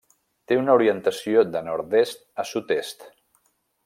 Té una orientació de nord-est a sud-est.